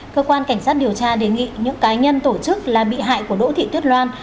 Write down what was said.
cơ quan cảnh sát điều tra đề nghị những cá nhân tổ chức là bị hại của đỗ thị tuyết loan